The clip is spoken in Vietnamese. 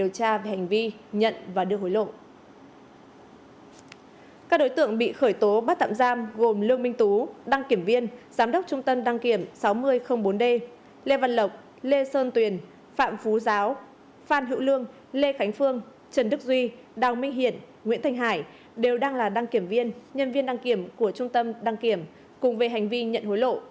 các đối tượng bị khởi tố bắt tạm giam gồm lương minh tú đăng kiểm viên giám đốc trung tâm đăng kiểm sáu nghìn bốn d lê văn lộc lê sơn tuyền phạm phú giáo phan hữu lương lê khánh phương trần đức duy đào minh hiển nguyễn thành hải đều đang là đăng kiểm viên nhân viên đăng kiểm của trung tâm đăng kiểm cùng về hành vi nhận hối lộ